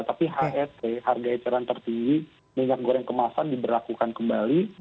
tapi het harga eceran tertinggi minyak goreng kemasan diberlakukan kembali